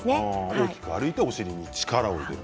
大きく歩いてお尻に力を入れる。